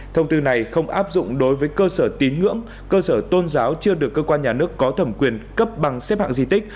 thông tư này không áp dụng đối với cơ sở tín ngưỡng cơ sở tôn giáo chưa được cơ quan nhà nước có thẩm quyền cấp bằng xếp hạng di tích